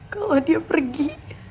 kalau dia pergi